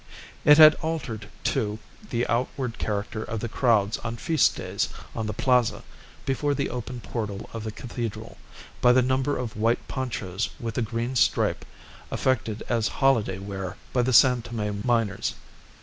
It had altered, too, the outward character of the crowds on feast days on the plaza before the open portal of the cathedral, by the number of white ponchos with a green stripe affected as holiday wear by the San Tome miners.